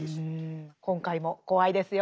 今回も怖いですよ。